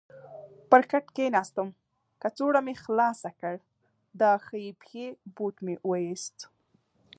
پر کټ کېناستم، کڅوړه مې خلاصه کړل، د ښۍ پښې بوټ مې وایست.